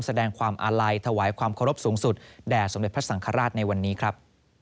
แสดงความอาลัยถวายความเคารพสูงสุดแด่สมเด็จพระสังฆราชในวันนี้ครับ